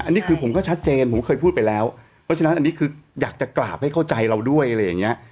อันนี้คือผมก็ชัดเจนผมเคยพูดไปแล้วเพราะฉะนั้นอันนี้คืออยากจะกราบให้เข้าใจเราด้วยอะไรอย่างเงี้ย